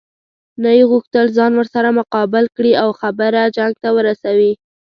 نه یې غوښتل ځان ورسره مقابل کړي او خبره جنګ ته ورسوي.